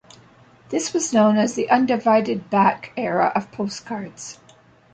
This was known as the "undivided back" era of postcards.